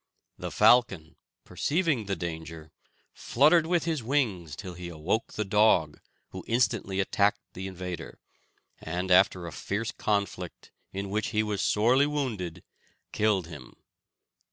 The falcon, perceiving the danger, fluttered with his wings till he awoke the dog, who instantly attacked the invader, and after a fierce conflict, in which he was sorely wounded, killed him.